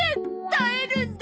耐えるんだ！